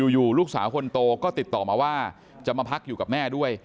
อยู่ลูกสาวคนโตก็ติดต่อมาว่าจะมาพักอยู่กับแม่ด้วย